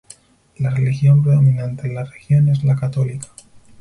La religión predominante en la región es la católica.